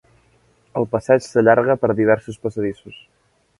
El passeig s'allarga per diversos passadissos.